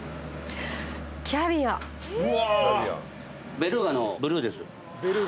ベルーガのブルーです。